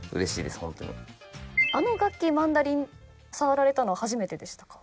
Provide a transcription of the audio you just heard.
あの楽器マンドリン触られたの初めてでした？